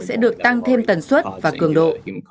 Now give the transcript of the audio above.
sẽ được tăng thêm tần suất và cường độ